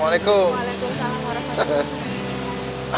waalaikumsalam warahmatullahi wabarakatuh